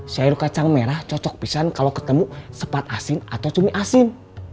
sayur kacang merah cocok pisang kalau ketemu sepat asin atau cumi asin